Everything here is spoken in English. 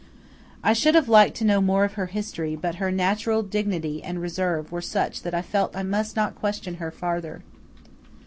I should have liked to know more of her history; but her natural dignity and reserve were such that I felt I must not question her farther.